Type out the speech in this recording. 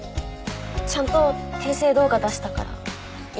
ちゃんと訂正動画出したから許して。